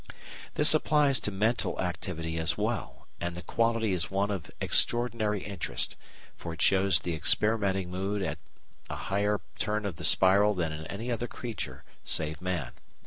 This applies to mental activity as well, and the quality is one of extraordinary interest, for it shows the experimenting mood at a higher turn of the spiral than in any other creature, save man.